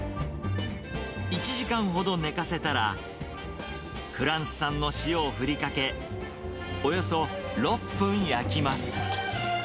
１時間ほど寝かせたら、フランス産の塩を振りかけ、およそ６分焼きます。